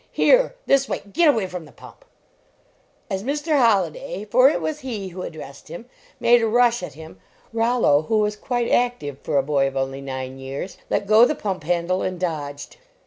Here! This way! Git away from the pump!" As Mr. Holliday, for it was he who ad dressed him, made a rush at him, Rollo, who was quite active for a boy of only nine years, let go the pump handle and dodged.